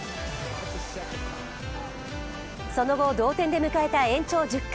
その後、同点で迎えた延長１０回。